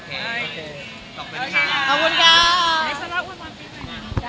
มีปิดฟงปิดไฟแล้วถือเค้กขึ้นมา